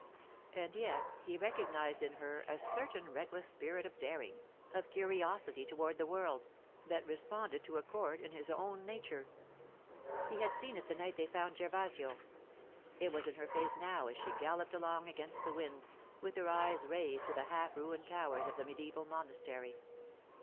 And yet he recognized in her a certain reckless spirit of daring, of curiosity toward the world, that responded to a chord in his own nature. He had seen it the night they found Gervasio. It was in her face now as she galloped along against the wind, with her eyes raised to the half ruined towers of the mediæval monastery.